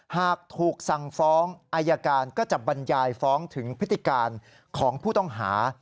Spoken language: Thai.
หากถูกสั่งฟ้องอายการก็จะบรรยายฟ้องถึงพฤติการของผู้ต้องหา